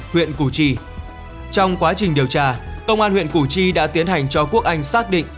huyện củ chi trong quá trình điều tra công an huyện củ chi đã tiến hành cho quốc anh xác định